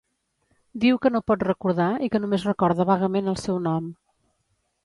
Diu que no pot recordar i que només recorda vagament el seu nom.